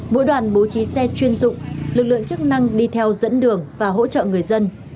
mỗi đoàn bố trí xe chuyên dụng lực lượng chức năng đi theo dẫn đường và hỗ trợ người dân